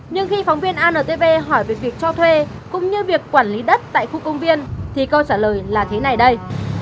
nhưng khi phóng viên antv hỏi về việc cho thuê cũng như việc quản lý đất tại khu công viên thì câu trả lời là thế này đây